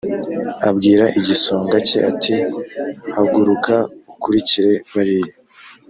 abwira igisonga cye ati “haguruka ukurikire bariya”